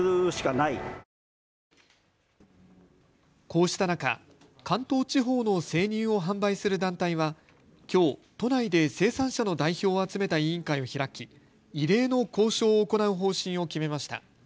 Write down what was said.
こうした中、関東地方の生乳を販売する団体は、きょう都内で生産者の代表を集めた委員会を開き、異例の交渉を行う方針を決めました。